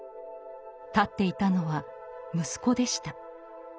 立っていたのは息子でした。